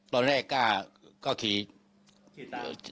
ติดต่อไป